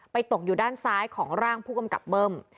ตกอยู่ด้านซ้ายของร่างผู้กำกับเบิ้ม